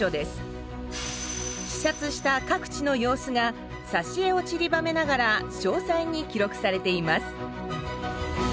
視察した各地の様子がさしえをちりばめながら詳細に記録されています。